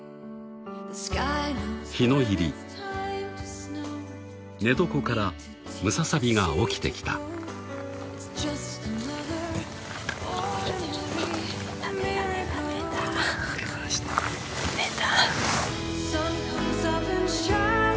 ［日の入り寝床からムササビが起きてきた］出た。